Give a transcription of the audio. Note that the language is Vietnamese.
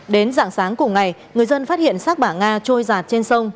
đến dạng sáng cùng ngày người dân phát hiện sát bà nga trôi giạt trên sông